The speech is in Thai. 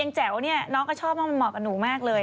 แจ๋วเนี่ยน้องก็ชอบว่ามันเหมาะกับหนูมากเลย